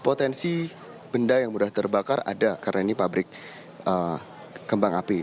potensi benda yang mudah terbakar ada karena ini pabrik kembang api